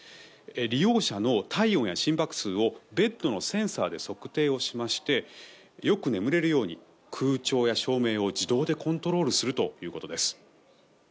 利用者の体温や心拍数をベッドのセンサーで測定しましてよく眠れるように空調や照明を自動でコントロールするということです。